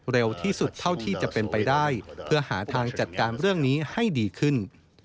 เร็วที่สุดเท่าที่จะเป็นไปได้เพื่อหาทางจัดการเรื่องนี้ให้ดีขึ้น